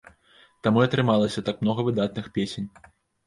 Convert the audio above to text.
Таму і атрымалася так многа выдатных песень.